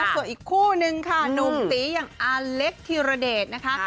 ส่วนอีกคู่นึงค่ะหนุ่มตีอย่างอาเล็กธิรเดชนะคะ